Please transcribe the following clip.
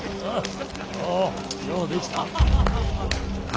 ああ。